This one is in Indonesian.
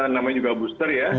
namanya juga booster ya